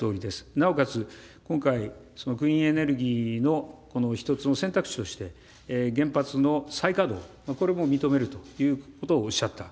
なおかつ、今回、そのグリーンエネルギーの一つの選択肢として、原発の再稼働、これも認めるということをおっしゃった。